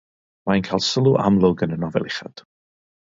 Mae'n cael sylw amlwg yn y nofel uchod.